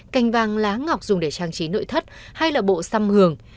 canh vàng lá ngọc dùng để trang trí nội thất hay là bộ xăm hưởng